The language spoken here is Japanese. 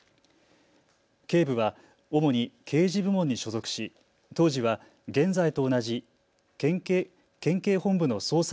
警部は主に刑事部門に所属し当時は現在と同じ県警本部の捜査